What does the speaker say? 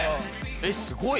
えっすごい！